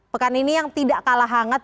pekan ini yang tidak kalah hangat